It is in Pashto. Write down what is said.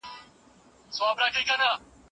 پلار زموږ د ژوند په تاریخ کي تر ټولو لوی قهرمان دی.